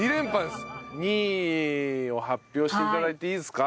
２位を発表して頂いていいですか？